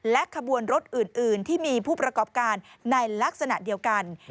ขบวนรถอื่นที่มีผู้ประกอบการในลักษณะเดียวกัน